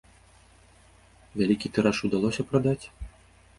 Вялікі тыраж удалося прадаць?